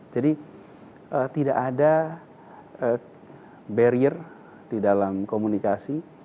jadi tidak ada barrier di dalam komunikasi